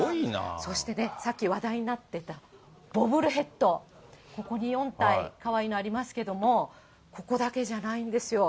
そしてね、さっき話題になっていたボブルヘッド、ここに４体、かわいいのありますけども、ここだけじゃないんですよ。